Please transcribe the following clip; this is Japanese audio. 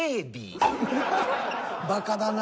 バカだな。